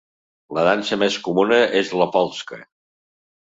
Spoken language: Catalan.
La dansa més comuna és la polska.